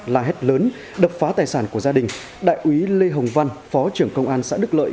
la hét lớn đập phá tài sản của gia đình đại úy lê hồng văn phó trưởng công an xã đức lợi